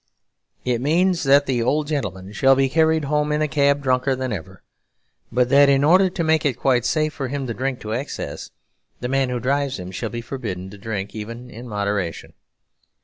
It means that the old gentleman shall be carried home in the cab drunker than ever; but that, in order to make it quite safe for him to drink to excess, the man who drives him shall be forbidden to drink even in moderation.